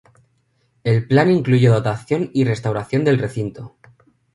El plan incluyó dotación y restauración del recinto.